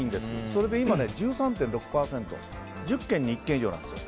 それで今、１３．６％１０軒に１軒以上なんですよ。